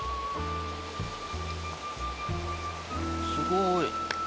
すごい。